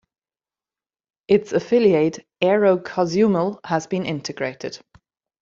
Its affiliate AeroCozumel has been integrated.